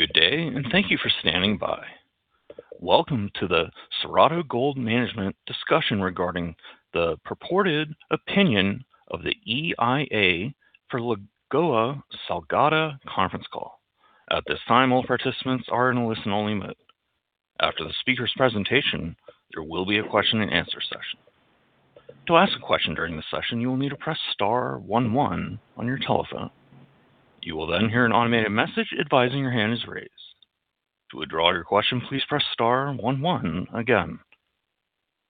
Good day, and thank you for standing by. Welcome to the Cerrado Gold Management discussion regarding the purported opinion of the EIA for Lagoa Salgada conference call. At this time, all participants are in a listen-only mode. After the speaker's presentation, there will be a question-and-answer session. To ask a question during the session, you will need to press star one one on your telephone. You will then hear an automated message advising your hand is raised. To withdraw your question, please press star one one again.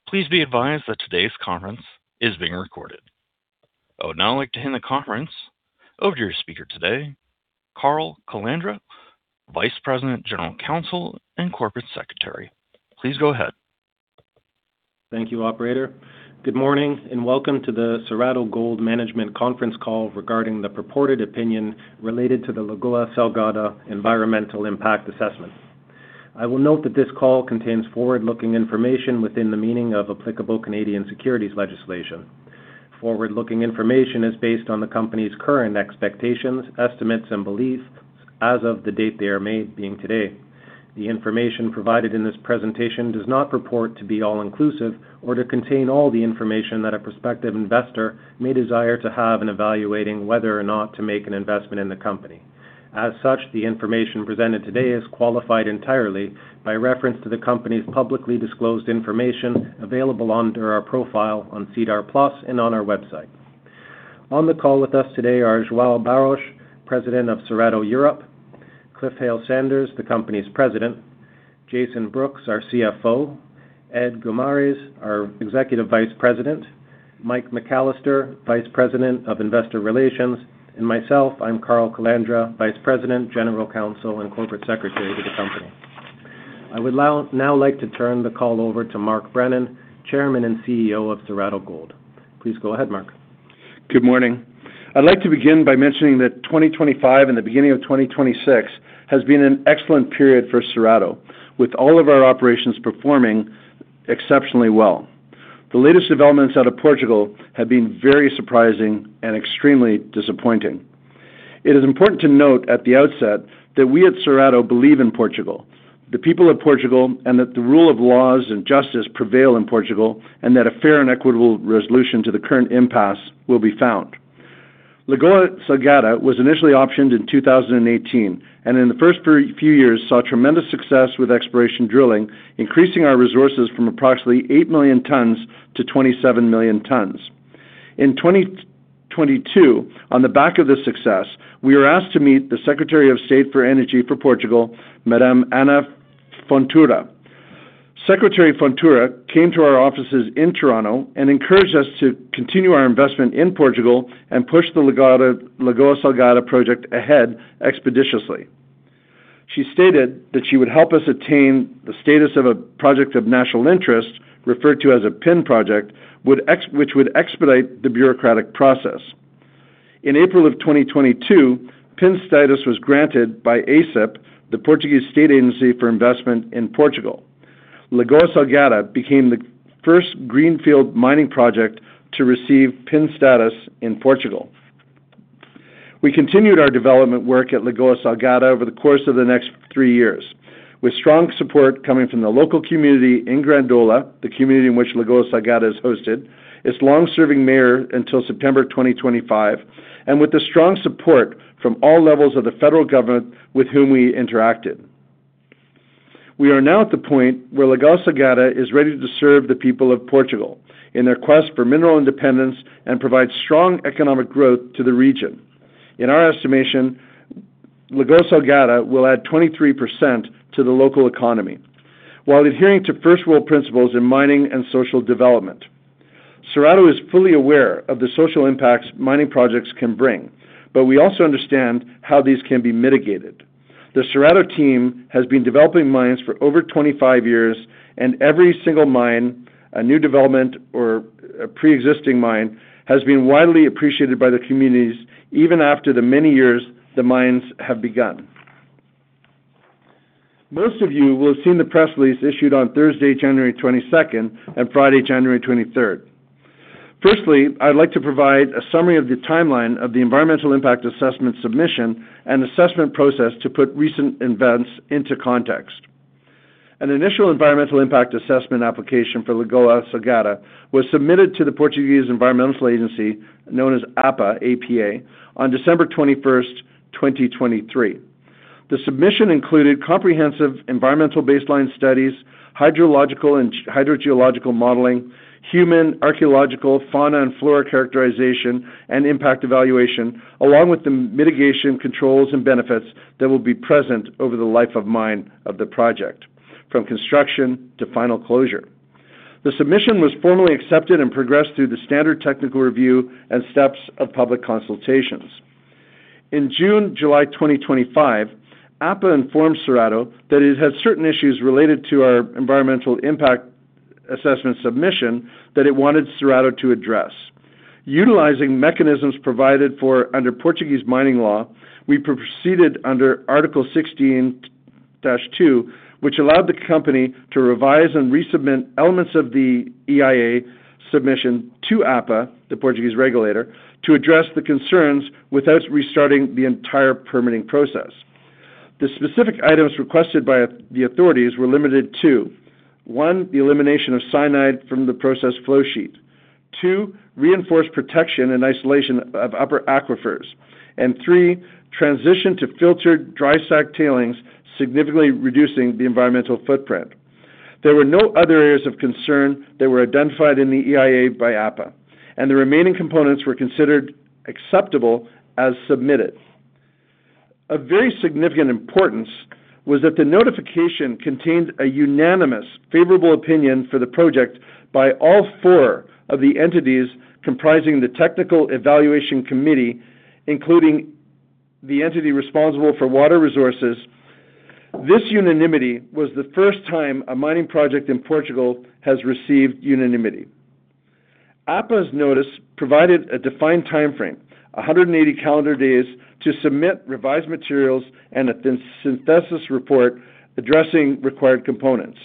Please be advised that today's conference is being recorded. I would now like to hand the conference over to your speaker today, Carl Calandra, Vice President, General Counsel, and Corporate Secretary. Please go ahead. Thank you, Operator. Good morning and welcome to the Cerrado Gold Management conference call regarding the purported opinion related to the Lagoa Salgada environmental impact assessment. I will note that this call contains forward-looking information within the meaning of applicable Canadian securities legislation. Forward-looking information is based on the company's current expectations, estimates, and beliefs as of the date they are made, being today. The information provided in this presentation does not purport to be all-inclusive or to contain all the information that a prospective investor may desire to have in evaluating whether or not to make an investment in the company. As such, the information presented today is qualified entirely by reference to the company's publicly disclosed information available under our profile on SEDAR+ and on our website. On the call with us today are João Barros, President of Cerrado Europe; Cliff Hale-Sanders, the company's President; Jason Brooks, our CFO; Ed Guimaraes, our Executive Vice President; Mike McAllister, Vice President of Investor Relations; and myself, I'm Carl Calandra, Vice President, General Counsel, and Corporate Secretary of the company. I would now like to turn the call over to Mark Brennan, Chairman and CEO of Cerrado Gold. Please go ahead, Mark. Good morning. I'd like to begin by mentioning that 2025 and the beginning of 2026 has been an excellent period for Cerrado, with all of our operations performing exceptionally well. The latest developments out of Portugal have been very surprising and extremely disappointing. It is important to note at the outset that we at Cerrado believe in Portugal, the people of Portugal, and that the rule of law and justice prevail in Portugal, and that a fair and equitable resolution to the current impasse will be found. Lagoa Salgada was initially optioned in 2018 and in the first few years saw tremendous success with exploration drilling, increasing our resources from approximately 8 million tons to 27 million tons. In 2022, on the back of this success, we were asked to meet the Secretary of State for Energy for Portugal, Madame Ana Fontoura. Secretary Fontoura came to our offices in Toronto and encouraged us to continue our investment in Portugal and push the Lagoa Salgada project ahead expeditiously. She stated that she would help us attain the status of a project of national interest, referred to as a PIN project, which would expedite the bureaucratic process. In April of 2022, PIN status was granted by AICEP, the Portuguese State Agency for Investment in Portugal. Lagoa Salgada became the first greenfield mining project to receive PIN status in Portugal. We continued our development work at Lagoa Salgada over the course of the next three years, with strong support coming from the local community in Grândola, the community in which Lagoa Salgada is hosted, its long-serving mayor until September 2025, and with the strong support from all levels of the federal government with whom we interacted. We are now at the point where Lagoa Salgada is ready to serve the people of Portugal in their quest for mineral independence and provide strong economic growth to the region. In our estimation, Lagoa Salgada will add 23% to the local economy while adhering to first-rule principles in mining and social development. Cerrado is fully aware of the social impacts mining projects can bring, but we also understand how these can be mitigated. The Cerrado team has been developing mines for over 25 years, and every single mine, a new development or a pre-existing mine, has been widely appreciated by the communities even after the many years the mines have begun. Most of you will have seen the press release issued on Thursday, January 22nd, and Friday, January 23rd. Firstly, I'd like to provide a summary of the timeline of the environmental impact assessment submission and assessment process to put recent events into context. An initial environmental impact assessment application for Lagoa Salgada was submitted to the Portuguese Environmental Agency, known as APA, on December 21st, 2023. The submission included comprehensive environmental baseline studies, hydrological and hydrogeological modeling, human archaeological fauna and flora characterization, and impact evaluation, along with the mitigation controls and benefits that will be present over the life of mine of the project, from construction to final closure. The submission was formally accepted and progressed through the standard technical review and steps of public consultations. In June-July 2025, APA informed Cerrado that it had certain issues related to our environmental impact assessment submission that it wanted Cerrado to address. Utilizing mechanisms provided under Portuguese mining law, we proceeded under Article 16-2, which allowed the company to revise and resubmit elements of the EIA submission to APA, the Portuguese regulator, to address the concerns without restarting the entire permitting process. The specific items requested by the authorities were limited to: one, the elimination of cyanide from the process flow sheet; two, reinforced protection and isolation of upper aquifers; and three, transition to filtered dry stack tailings, significantly reducing the environmental footprint. There were no other areas of concern that were identified in the EIA by APA, and the remaining components were considered acceptable as submitted. Of very significant importance was that the notification contained a unanimous favorable opinion for the project by all four of the entities comprising the technical evaluation committee, including the entity responsible for water resources. This unanimity was the first time a mining project in Portugal has received unanimity. APA's notice provided a defined timeframe, 180 calendar days, to submit revised materials and a synthesis report addressing required components.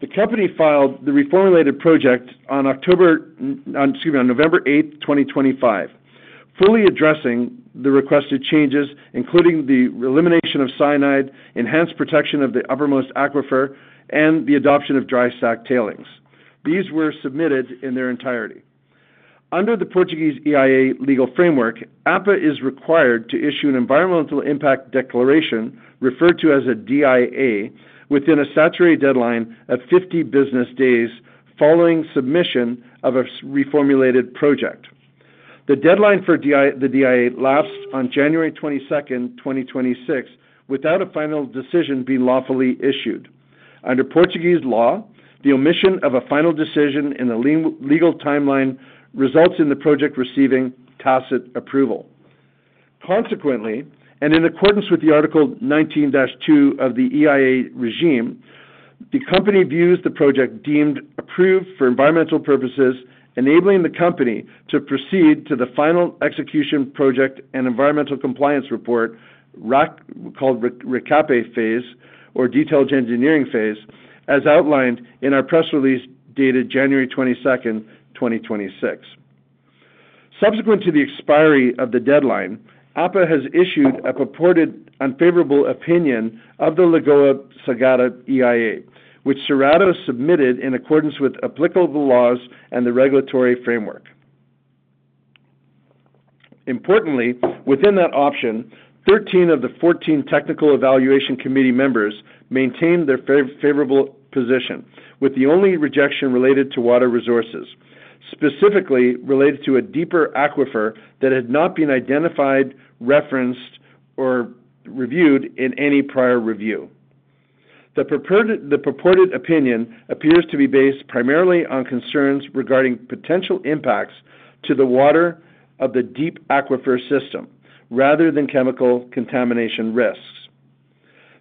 The company filed the reformulated project on November 8th, 2025, fully addressing the requested changes, including the elimination of cyanide, enhanced protection of the uppermost aquifer, and the adoption of dry stack tailings. These were submitted in their entirety. Under the Portuguese EIA legal framework, APA is required to issue an environmental impact declaration, referred to as a DIA, within a statutory deadline of 50 business days following submission of a reformulated project. The deadline for the DIA lapsed on January 22nd, 2026, without a final decision being lawfully issued. Under Portuguese law, the omission of a final decision in the legal timeline results in the project receiving tacit approval. Consequently, and in accordance with Article 19-2 of the EIA regime, the company views the project deemed approved for environmental purposes, enabling the company to proceed to the final execution project and environmental compliance report, called RECAPE phase or detailed engineering phase, as outlined in our press release dated January 22nd, 2026. Subsequent to the expiry of the deadline, APA has issued a purported unfavorable opinion of the Lagoa Salgada EIA, which Cerrado submitted in accordance with applicable laws and the regulatory framework. Importantly, within that opinion, 13 of the 14 technical evaluation committee members maintained their favorable position, with the only rejection related to water resources, specifically related to a deeper aquifer that had not been identified, referenced, or reviewed in any prior review. The purported opinion appears to be based primarily on concerns regarding potential impacts to the water of the deep aquifer system rather than chemical contamination risks.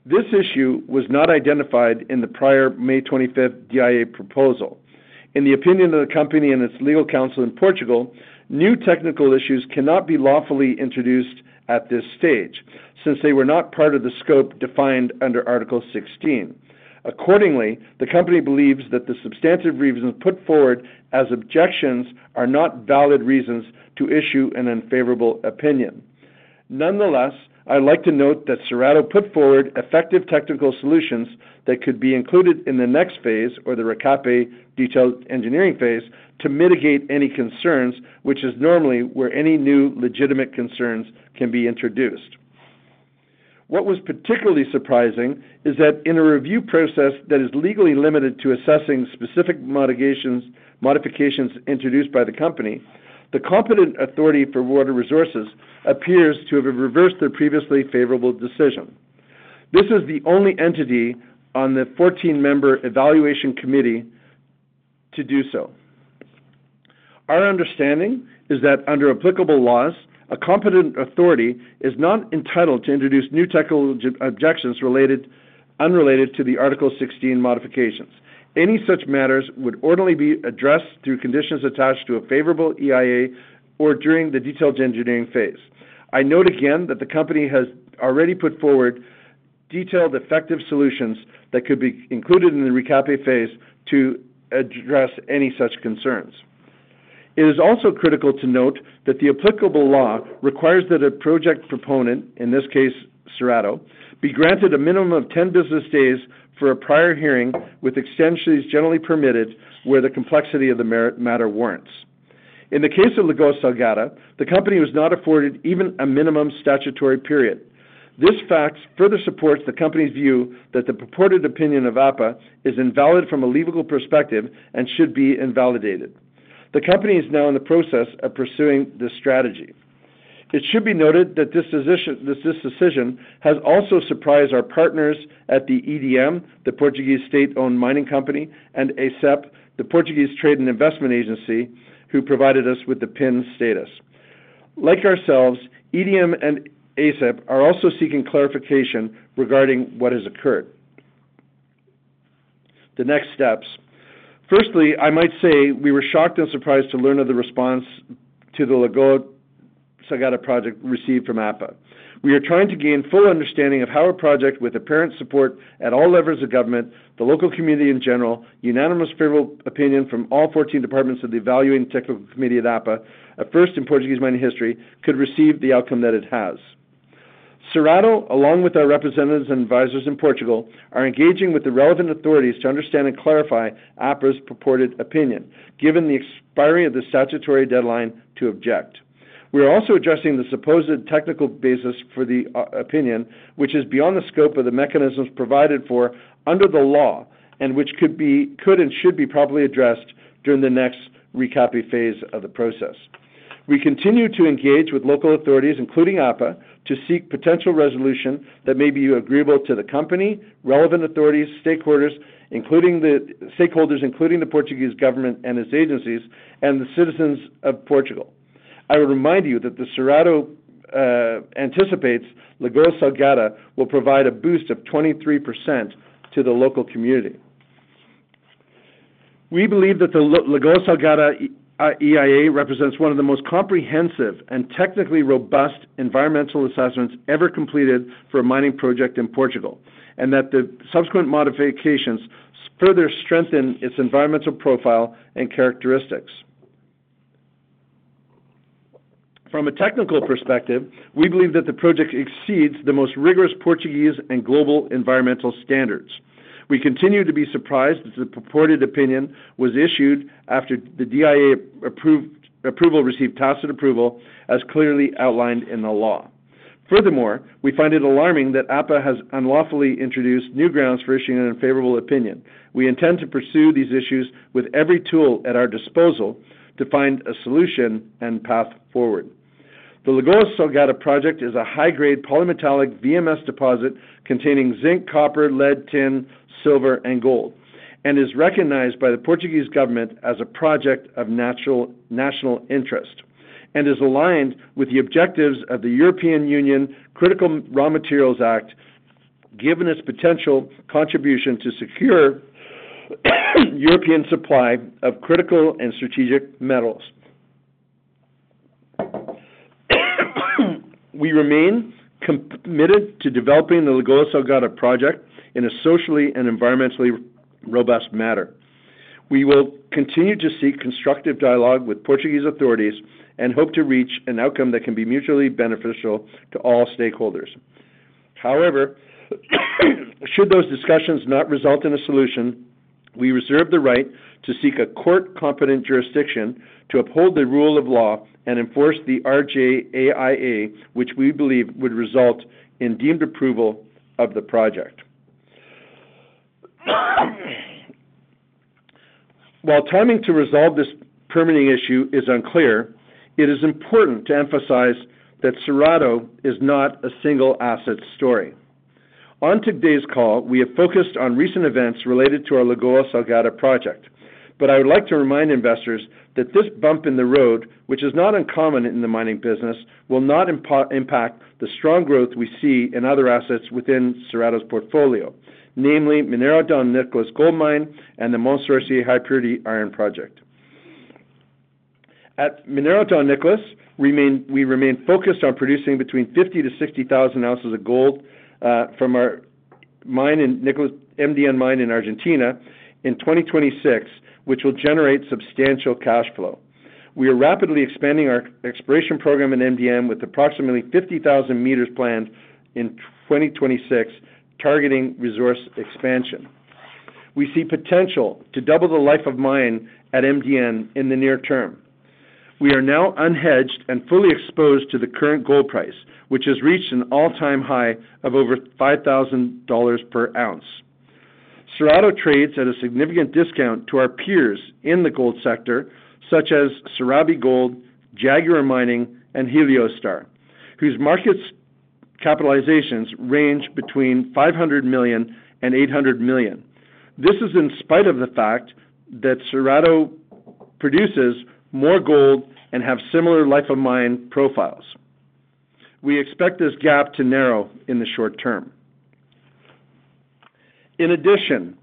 This issue was not identified in the prior May 25th DIA proposal. In the opinion of the company and its legal counsel in Portugal, new technical issues cannot be lawfully introduced at this stage since they were not part of the scope defined under Article 16. Accordingly, the company believes that the substantive reasons put forward as objections are not valid reasons to issue an unfavorable opinion. Nonetheless, I'd like to note that Cerrado put forward effective technical solutions that could be included in the next phase or the RECAPE detailed engineering phase to mitigate any concerns, which is normally where any new legitimate concerns can be introduced. What was particularly surprising is that in a review process that is legally limited to assessing specific modifications introduced by the company, the competent authority for water resources appears to have reversed their previously favorable decision. This is the only entity on the 14-member evaluation committee to do so. Our understanding is that under applicable laws, a competent authority is not entitled to introduce new technical objections unrelated to the Article 16 modifications. Any such matters would ordinarily be addressed through conditions attached to a favorable EIA or during the detailed engineering phase. I note again that the company has already put forward detailed effective solutions that could be included in the RECAPE phase to address any such concerns. It is also critical to note that the applicable law requires that a project proponent, in this case, Cerrado, be granted a minimum of 10 business days for a prior hearing with extensions generally permitted where the complexity of the matter warrants. In the case of Lagoa Salgada, the company was not afforded even a minimum statutory period. This fact further supports the company's view that the purported opinion of APA is invalid from a legal perspective and should be invalidated. The company is now in the process of pursuing this strategy. It should be noted that this decision has also surprised our partners at the EDM, the Portuguese state-owned mining company, and AICEP, the Portuguese Trade and Investment Agency, who provided us with the PIN status. Like ourselves, EDM and AICEP are also seeking clarification regarding what has occurred. The next steps. Firstly, I might say we were shocked and surprised to learn of the response to the Lagoa Salgada project received from APA. We are trying to gain full understanding of how a project with apparent support at all levels of government, the local community in general, unanimous favorable opinion from all 14 departments of the evaluating technical committee at APA, a first in Portuguese mining history, could receive the outcome that it has. Cerrado, along with our representatives and advisors in Portugal, are engaging with the relevant authorities to understand and clarify APA's purported opinion, given the expiry of the statutory deadline to object. We are also addressing the supposed technical basis for the opinion, which is beyond the scope of the mechanisms provided for under the law and which could and should be properly addressed during the next RECAPE phase of the process. We continue to engage with local authorities, including APA, to seek potential resolution that may be agreeable to the company, relevant authorities, stakeholders, including the Portuguese government and its agencies, and the citizens of Portugal. I would remind you that Cerrado anticipates Lagoa Salgada will provide a boost of 23% to the local community. We believe that the Lagoa Salgada EIA represents one of the most comprehensive and technically robust environmental assessments ever completed for a mining project in Portugal, and that the subsequent modifications further strengthen its environmental profile and characteristics. From a technical perspective, we believe that the project exceeds the most rigorous Portuguese and global environmental standards. We continue to be surprised that the purported opinion was issued after the DIA approval received tacit approval, as clearly outlined in the law. Furthermore, we find it alarming that APA has unlawfully introduced new grounds for issuing an unfavorable opinion. We intend to pursue these issues with every tool at our disposal to find a solution and path forward. The Lagoa Salgada project is a high-grade polymetallic VMS deposit containing zinc, copper, lead, tin, silver, and gold, and is recognized by the Portuguese government as a project of national interest, and is aligned with the objectives of the European Union Critical Raw Materials Act, given its potential contribution to secure European supply of critical and strategic metals. We remain committed to developing the Lagoa Salgada project in a socially and environmentally robust matter. We will continue to seek constructive dialogue with Portuguese authorities and hope to reach an outcome that can be mutually beneficial to all stakeholders. However, should those discussions not result in a solution, we reserve the right to seek a court of competent jurisdiction to uphold the rule of law and enforce the RJAIA, which we believe would result in deemed approval of the project. While timing to resolve this permitting issue is unclear, it is important to emphasize that Cerrado is not a single asset story. On today's call, we have focused on recent events related to our Lagoa Salgada project, but I would like to remind investors that this bump in the road, which is not uncommon in the mining business, will not impact the strong growth we see in other assets within Cerrado's portfolio, namely Minera Don Nicolás Gold Mine and the Mont Sorcier High Purity Iron Project. At Minera Don Nicolás, we remain focused on producing between 50,000-60,000 ounces of gold from our MDN mine in Argentina in 2026, which will generate substantial cash flow. We are rapidly expanding our exploration program in MDN with approximately 50,000 meters planned in 2026, targeting resource expansion. We see potential to double the life of mine at MDN in the near term. We are now unhedged and fully exposed to the current gold price, which has reached an all-time high of over $5,000 per ounce. Cerrado trades at a significant discount to our peers in the gold sector, such as Serabi Gold, Jaguar Mining, and Heliostar, whose market capitalizations range between 500 million and 800 million. This is in spite of the fact that Cerrado produces more gold and has similar life of mine profiles. We expect this gap to narrow in the short term. In addition,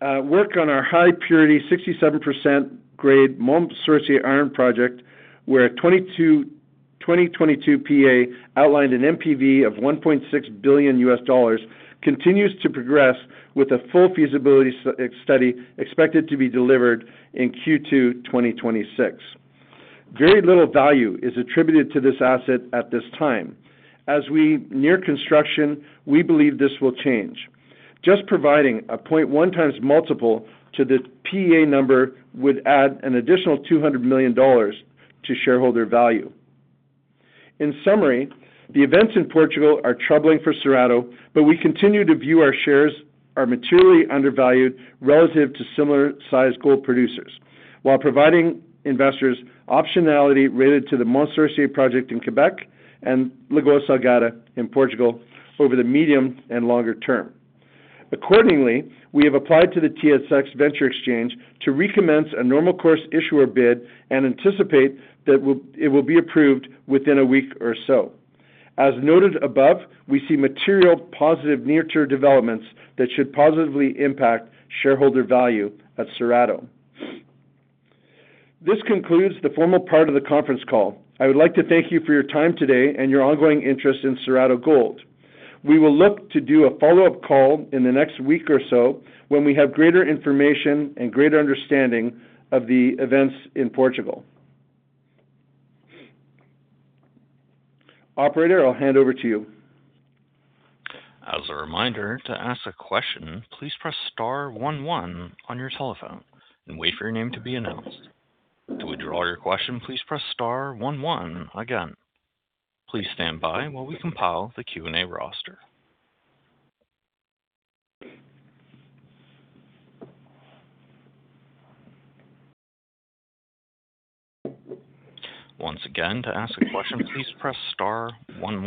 work on our high purity 67% grade Mont Sorcier Iron Project, where 2022 PEA outlined an NPV of $1.6 billion, continues to progress with a full feasibility study expected to be delivered in Q2 2026. Very little value is attributed to this asset at this time. As we near construction, we believe this will change. Just providing a 0.1x multiple to the PEA number would add an additional $200 million to shareholder value. In summary, the events in Portugal are troubling for Cerrado, but we continue to view our shares as materially undervalued relative to similar-sized gold producers, while providing investors optionality related to the Mont Sorcier Project in Quebec and Lagoa Salgada in Portugal over the medium and longer term. Accordingly, we have applied to the TSX Venture Exchange to recommence a normal course issuer bid and anticipate that it will be approved within a week or so. As noted above, we see material positive near-term developments that should positively impact shareholder value at Cerrado. This concludes the formal part of the conference call. I would like to thank you for your time today and your ongoing interest in Cerrado Gold. We will look to do a follow-up call in the next week or so when we have greater information and greater understanding of the events in Portugal. Operator, I'll hand over to you. As a reminder, to ask a question, please press star one one on your telephone and wait for your name to be announced. To withdraw your question, please press star one one again. Please stand by while we compile the Q&A roster. Once again, to ask a question, please press star one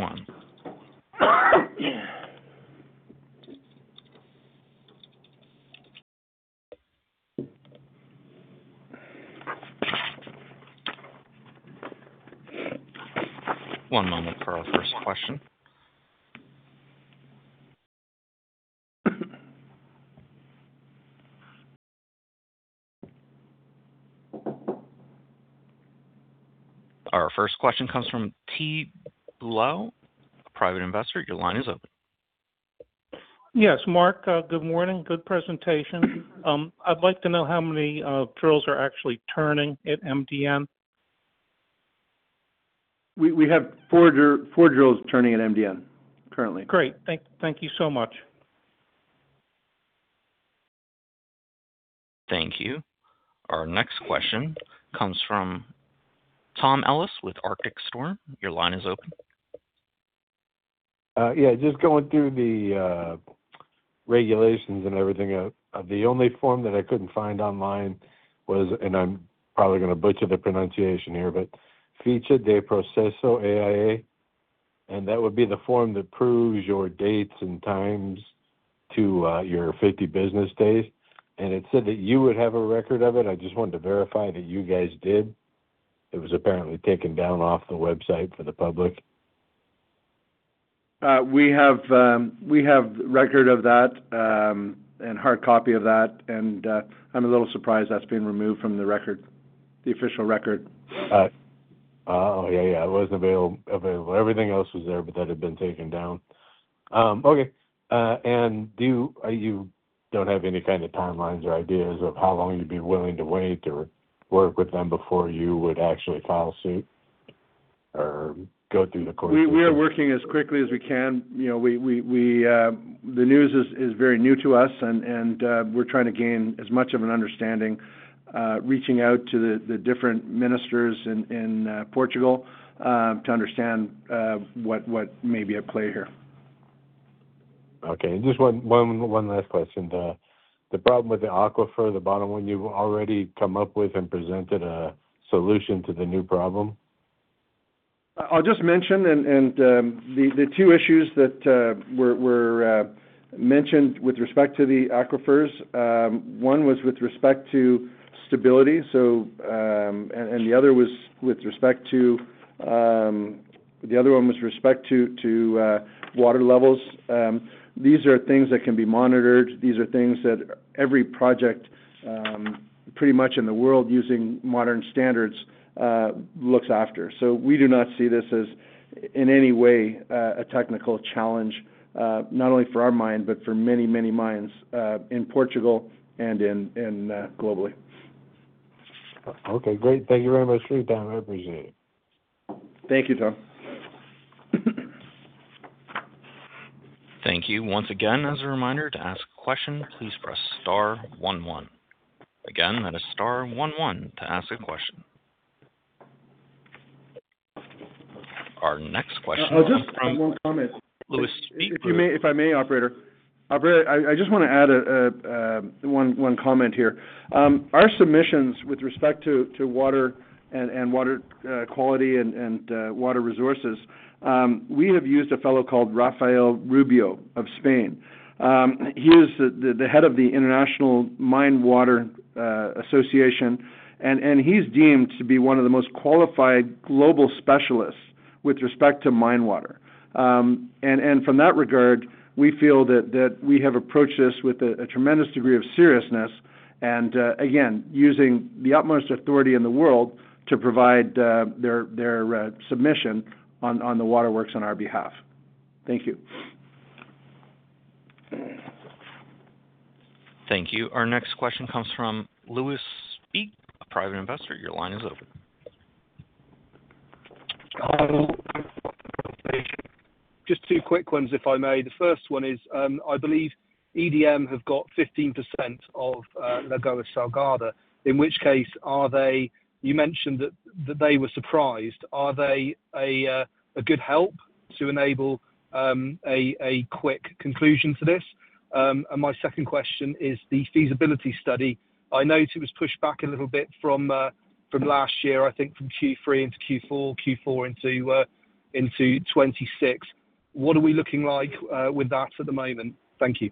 one. One moment for our first question. Our first question comes from Terry Blau, a private investor. Your line is open. Yes, Mark. Good morning. Good presentation. I'd like to know how many drills are actually turning at MDN. We have four drills turning at MDN currently. Great. Thank you so much. Thank you. Our next question comes from Tom Ellis with Arctic Storm. Your line is open. Yeah, just going through the regulations and everything. The only form that I couldn't find online was, and I'm probably going to butcher the pronunciation here, but Ficha de Processo AIA, and that would be the form that proves your dates and times to your 50 business days. And it said that you would have a record of it. I just wanted to verify that you guys did. It was apparently taken down off the website for the public. We have a record of that and a hard copy of that, and I'm a little surprised that's being removed from the official record. Oh, yeah, yeah. It wasn't available. Everything else was there, but that had been taken down. Okay. And you don't have any kind of timelines or ideas of how long you'd be willing to wait or work with them before you would actually file suit or go through the course? We are working as quickly as we can. The news is very new to us, and we're trying to gain as much of an understanding reaching out to the different ministers in Portugal to understand what may be at play here. Okay. Just one last question. The problem with the aquifer, the bottom one, you've already come up with and presented a solution to the new problem. I'll just mention, and the two issues that were mentioned with respect to the aquifers, one was with respect to stability, and the other was with respect to the other one was with respect to water levels. These are things that can be monitored. These are things that every project, pretty much in the world using modern standards, looks after. So we do not see this as in any way a technical challenge, not only for our mine, but for many, many mines in Portugal and globally. Okay. Great. Thank you very much for your time. I appreciate it. Thank you, Tom. Thank you. Once again, as a reminder, to ask a question, please press star one one. Again, that is star one one to ask a question. Our next question is from Lewis Speed. If I may, Operator, I just want to add one comment here. Our submissions with respect to water and water quality and water resources, we have used a fellow called Rafael Rubio of Spain. He is the head of the International Mine Water Association, and he's deemed to be one of the most qualified global specialists with respect to mine water. And from that regard, we feel that we have approached this with a tremendous degree of seriousness and, again, using the utmost authority in the world to provide their submission on the water works on our behalf. Thank you. Thank you. Our next question comes from Lewis Speed, a private investor. Your line is open. Just two quick ones, if I may. The first one is, I believe EDM have got 15% of Lagoa Salgada, in which case, you mentioned that they were surprised. Are they a good help to enable a quick conclusion to this? And my second question is the feasibility study. I know it was pushed back a little bit from last year, I think from Q3 into Q4, Q4 into 2026. What are we looking like with that at the moment? Thank you.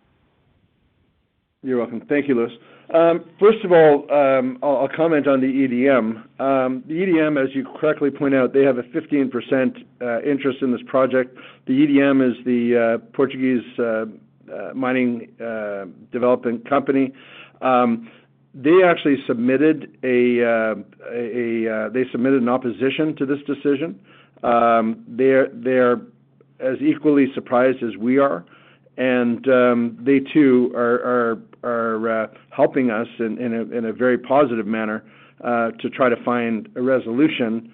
You're welcome. Thank you, Lewis. First of all, I'll comment on the EDM. The EDM, as you correctly point out, they have a 15% interest in this project. The EDM is the Portuguese mining development company. They actually submitted an opposition to this decision. They're as equally surprised as we are, and they, too, are helping us in a very positive manner to try to find a resolution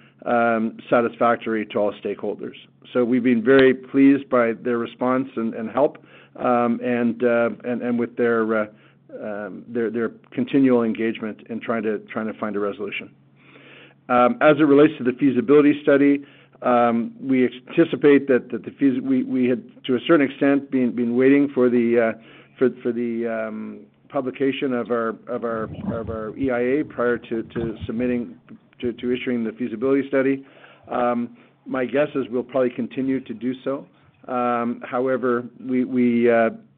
satisfactory to all stakeholders. So we've been very pleased by their response and help and with their continual engagement in trying to find a resolution. As it relates to the feasibility study, we anticipate that we had, to a certain extent, been waiting for the publication of our EIA prior to issuing the feasibility study. My guess is we'll probably continue to do so. However,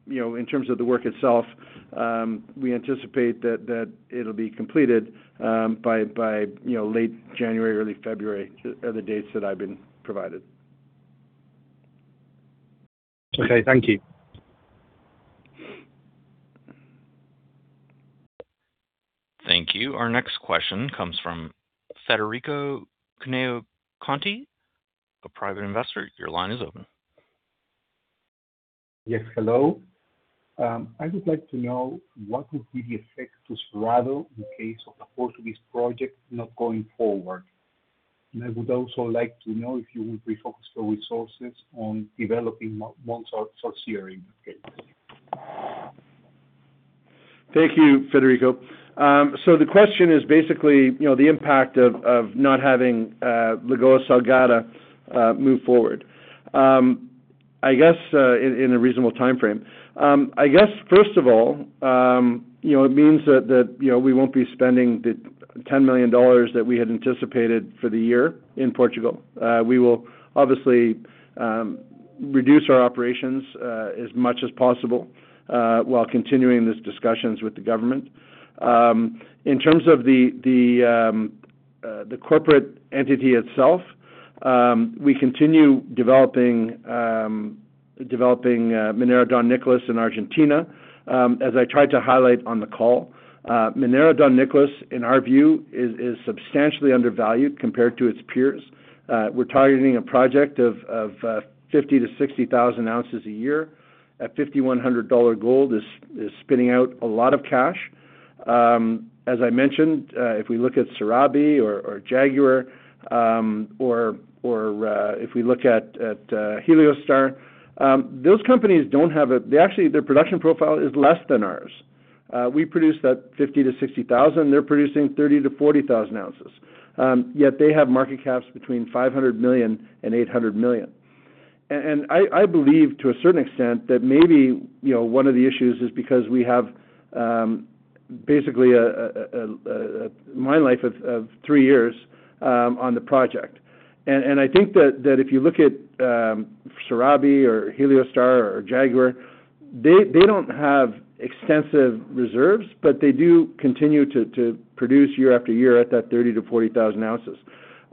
in terms of the work itself, we anticipate that it'll be completed by late January, early February are the dates that I've been provided. Okay. Thank you. Thank you. Our next question comes from Federico Cuneo Conti, a private investor. Your line is open. Yes. Hello. I would like to know what would be the effect to Cerrado in case of the Portuguese project not going forward. And I would also like to know if you would refocus your resources on developing Mont Sorcier in that case. Thank you, Federico. So the question is basically the impact of not having Lagoa Salgada move forward, I guess, in a reasonable timeframe. I guess, first of all, it means that we won't be spending the $10 million that we had anticipated for the year in Portugal. We will obviously reduce our operations as much as possible while continuing these discussions with the government. In terms of the corporate entity itself, we continue developing Minera Don Nicolás in Argentina. As I tried to highlight on the call, Minera Don Nicolás, in our view, is substantially undervalued compared to its peers. We're targeting a project of 50,000-60,000 ounces a year. At $5,100, gold is spitting out a lot of cash. As I mentioned, if we look at Serabi or Jaguar, or if we look at Heliostar, those companies don't have a, actually, their production profile is less than ours. We produce that 50,000-60,000. They're producing 30,000-40,000 ounces. Yet they have market caps between $500 million and $800 million. And I believe, to a certain extent, that maybe one of the issues is because we have basically a mine life of 3 years on the project. And I think that if you look at Serabi or Heliostar or Jaguar, they don't have extensive reserves, but they do continue to produce year after year at that 30,000-40,000 ounces.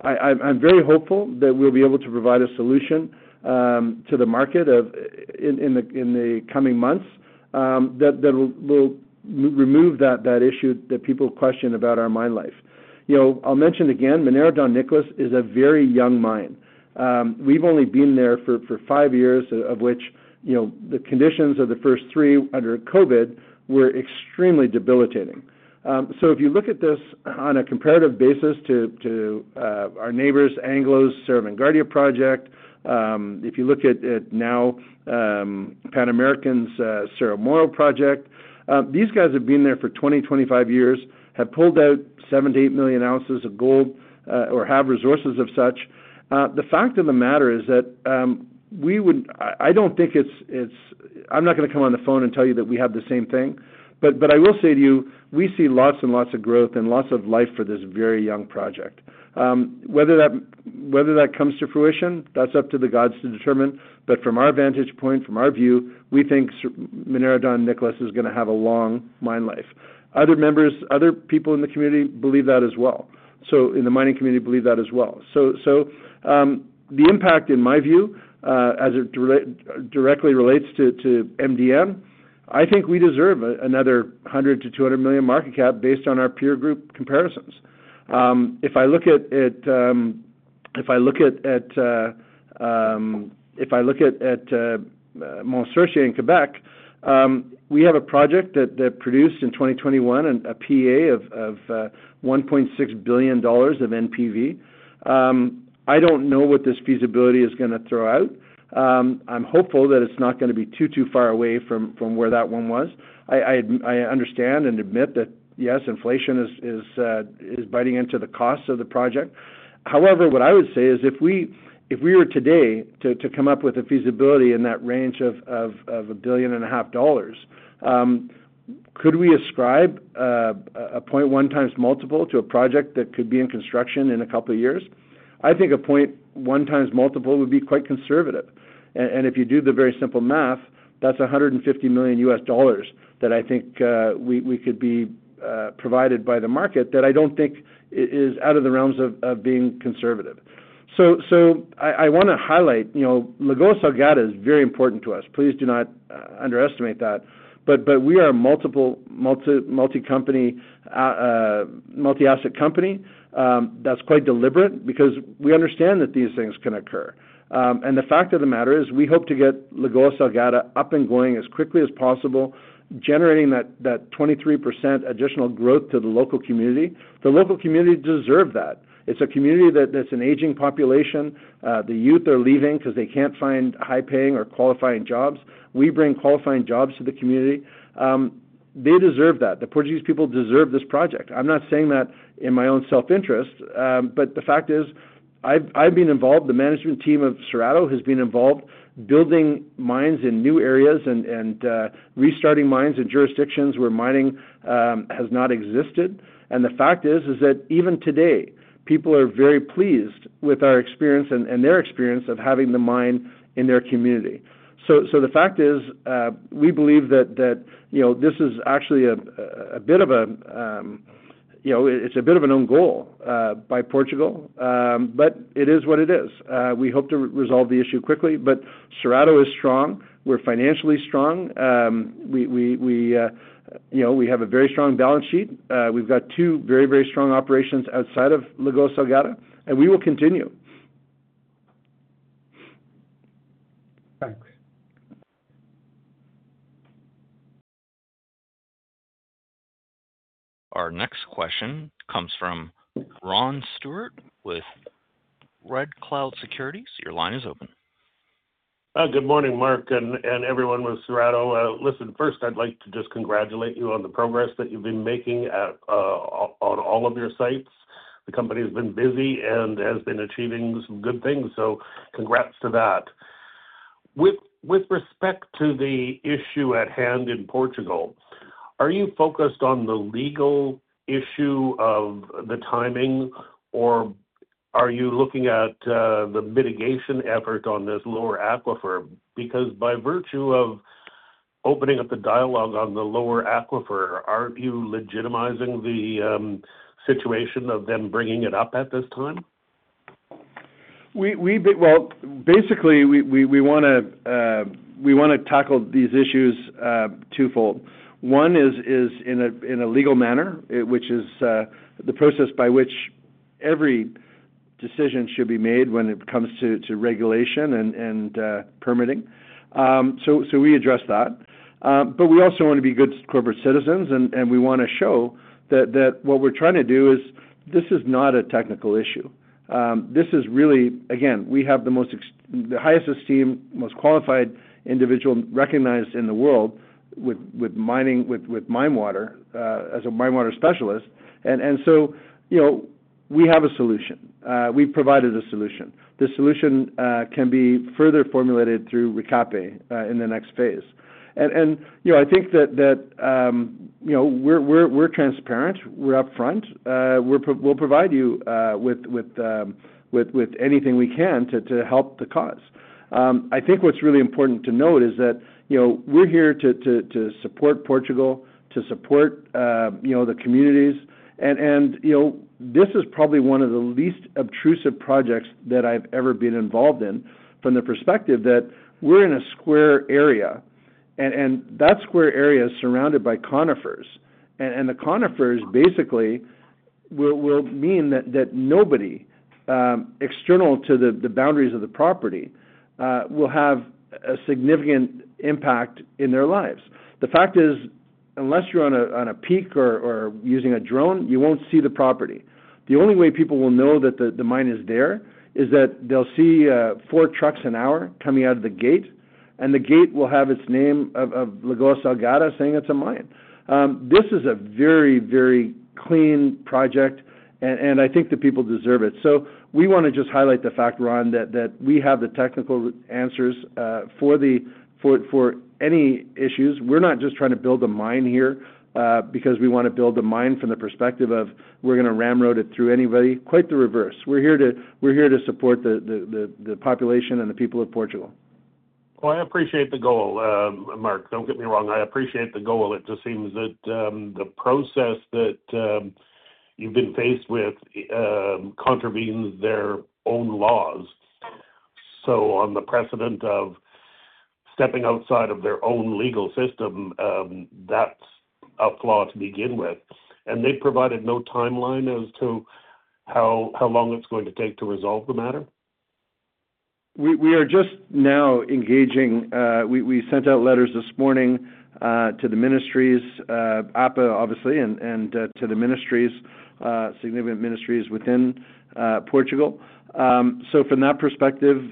I'm very hopeful that we'll be able to provide a solution to the market in the coming months that will remove that issue that people question about our mine life. I'll mention again, Minera Don Nicolás is a very young mine. We've only been there for 5 years, of which the conditions of the first three under COVID were extremely debilitating. So if you look at this on a comparative basis to our neighbors, Anglo's Cerro Vanguardia Project, if you look at now Pan American's Cerro Moro Project, these guys have been there for 20-25 years, have pulled out 7-8 million ounces of gold or have resources of such. The fact of the matter is that I don't think it's, I'm not going to come on the phone and tell you that we have the same thing, but I will say to you, we see lots and lots of growth and lots of life for this very young project. Whether that comes to fruition, that's up to the gods to determine. But from our vantage point, from our view, we think Minera Don Nicolás is going to have a long mine life. Other people in the community believe that as well. So in the mining community, believe that as well. So the impact, in my view, as it directly relates to MDN, I think we deserve another $100-$200 million market cap based on our peer group comparisons. If I look at Mont Sorcier in Quebec, we have a project that produced in 2021 a PA of $1.6 billion of NPV. I don't know what this feasibility is going to throw out. I'm hopeful that it's not going to be too, too far away from where that one was. I understand and admit that, yes, inflation is biting into the cost of the project. However, what I would say is if we were today to come up with a feasibility in that range of $1.5 billion, could we ascribe a 0.1x multiple to a project that could be in construction in a couple of years? I think a 0.1x multiple would be quite conservative. If you do the very simple math, that's $150 million that I think we could be provided by the market that I don't think is out of the realms of being conservative. I want to highlight Lagoa Salgada is very important to us. Please do not underestimate that. We are a multi-asset company that's quite deliberate because we understand that these things can occur. The fact of the matter is we hope to get Lagoa Salgada up and going as quickly as possible, generating that 23% additional growth to the local community. The local community deserves that. It's a community that's an aging population. The youth are leaving because they can't find high-paying or qualifying jobs. We bring qualifying jobs to the community. They deserve that. The Portuguese people deserve this project. I'm not saying that in my own self-interest, but the fact is I've been involved. The management team of Cerrado has been involved building mines in new areas and restarting mines in jurisdictions where mining has not existed. And the fact is that even today, people are very pleased with our experience and their experience of having the mine in their community. So the fact is we believe that this is actually a bit of a, it's a bit of an end goal by Portugal, but it is what it is. We hope to resolve the issue quickly, but Cerrado is strong. We're financially strong. We have a very strong balance sheet. We've got two very, very strong operations outside of Lagoa Salgada, and we will continue. Thanks. Our next question comes from Ron Stewart with Red Cloud Securities. Your line is open. Good morning, Mark and everyone with Cerrado. Listen, first, I'd like to just congratulate you on the progress that you've been making on all of your sites. The company has been busy and has been achieving some good things, so congrats to that. With respect to the issue at hand in Portugal, are you focused on the legal issue of the timing, or are you looking at the mitigation effort on this lower aquifer? Because by virtue of opening up the dialogue on the lower aquifer, aren't you legitimizing the situation of them bringing it up at this time? Well, basically, we want to tackle these issues twofold. One is in a legal manner, which is the process by which every decision should be made when it comes to regulation and permitting. So we address that. But we also want to be good corporate citizens, and we want to show that what we're trying to do is this is not a technical issue. This is really, again, we have the highest esteem, most qualified individual recognized in the world with mine water as a mine water specialist. And so we have a solution. We've provided a solution. The solution can be further formulated through RECAPE in the next phase. And I think that we're transparent. We're upfront. We'll provide you with anything we can to help the cause. I think what's really important to note is that we're here to support Portugal, to support the communities. And this is probably one of the least obtrusive projects that I've ever been involved in from the perspective that we're in a square area, and that square area is surrounded by conifers. The conifers basically will mean that nobody external to the boundaries of the property will have a significant impact in their lives. The fact is, unless you're on a peak or using a drone, you won't see the property. The only way people will know that the mine is there is that they'll see four trucks an hour coming out of the gate, and the gate will have its name of Lagoa Salgada saying it's a mine. This is a very, very clean project, and I think the people deserve it. So we want to just highlight the fact, Ron, that we have the technical answers for any issues. We're not just trying to build a mine here because we want to build a mine from the perspective of we're going to ramrod it through anybody. Quite the reverse. We're here to support the population and the people of Portugal. Well, I appreciate the goal, Mark. Don't get me wrong. I appreciate the goal. It just seems that the process that you've been faced with contravenes their own laws. So on the precedent of stepping outside of their own legal system, that's a flaw to begin with. And they've provided no timeline as to how long it's going to take to resolve the matter. We are just now engaging. We sent out letters this morning to the ministries, APA, obviously, and to the ministries, significant ministries within Portugal. So from that perspective,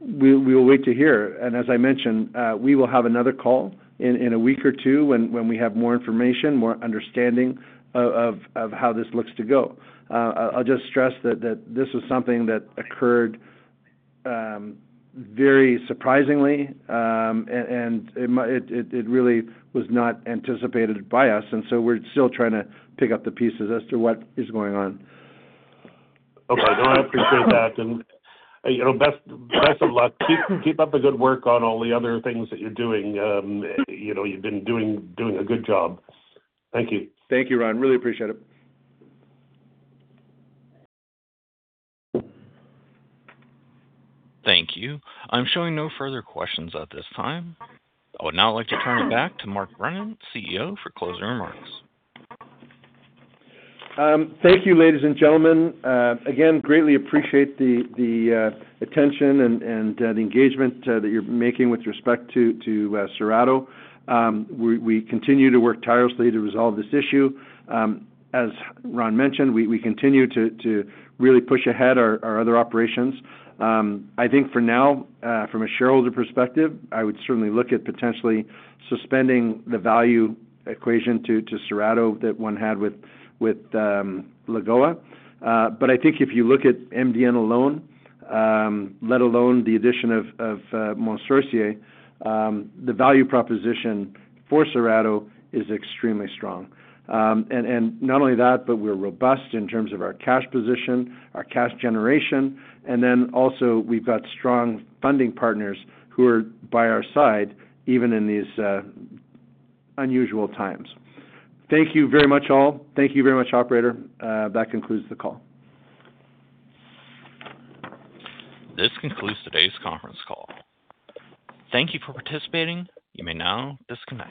we will wait to hear. And as I mentioned, we will have another call in a week or two when we have more information, more understanding of how this looks to go. I'll just stress that this was something that occurred very surprisingly, and it really was not anticipated by us. And so we're still trying to pick up the pieces as to what is going on. Okay. No, I appreciate that. And best of luck. Keep up the good work on all the other things that you're doing. You've been doing a good job. Thank you. Thank you, Ron. Really appreciate it. Thank you. I'm showing no further questions at this time. I would now like to turn it back to Mark Brennan, CEO, for closing remarks. Thank you, ladies and gentlemen. Again, greatly appreciate the attention and the engagement that you're making with respect to Cerrado. We continue to work tirelessly to resolve this issue. As Ron mentioned, we continue to really push ahead our other operations. I think for now, from a shareholder perspective, I would certainly look at potentially suspending the value equation to Cerrado that one had with Lagoa. But I think if you look at MDN alone, let alone the addition of Mont Sorcier, the value proposition for Cerrado is extremely strong. And not only that, but we're robust in terms of our cash position, our cash generation. And then also, we've got strong funding partners who are by our side even in these unusual times. Thank you very much, all. Thank you very much, operator. That concludes the call. This concludes today's conference call. Thank you for participating. You may now disconnect.